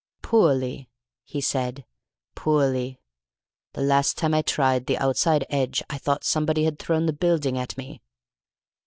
"Poorly," he said, "poorly. The last time I tried the outside edge I thought somebody had thrown the building at me."